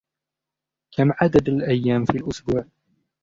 كم عدد الأيام في الأسبوع؟